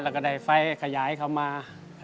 เราก็ได้ไฟขยายเขามา